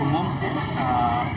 tempat fasilitas umum